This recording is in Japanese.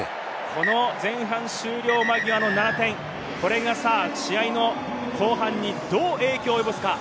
この前半終了間際の７点、これが試合の後半にどう影響を及ぼすか。